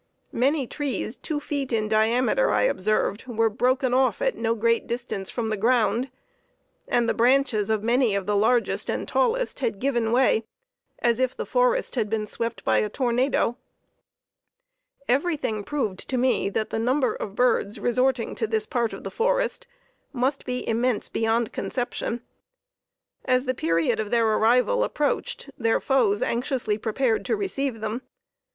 Many trees two feet in diameter, I observed, were broken off at no great distance from the ground; and the branches of many of the largest and tallest had given way, as if the forest had been swept by a tornado. Everything proved to me that the number of birds resorting to this part of the forest must be immense beyond conception. As the period of their arrival approached, their foes anxiously prepared to receive them.